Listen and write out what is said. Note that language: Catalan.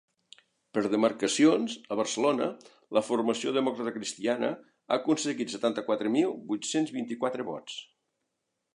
Per demarcacions, a Barcelona la formació democratacristiana ha aconseguit setanta-quatre mil vuit-cents vint-i-quatre vots.